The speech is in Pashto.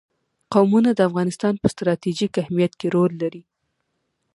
قومونه د افغانستان په ستراتیژیک اهمیت کې رول لري.